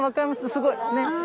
すごい、ね。